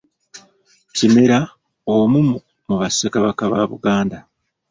Kimera omu mu bassekabaka ba uganda.